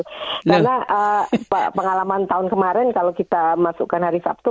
karena pengalaman tahun kemarin kalau kita masukkan hari sabtu